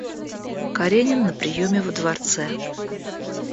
Каренин на приеме во дворце.